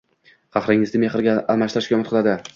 qahringizni mehrga almashtirishga umid qiladi.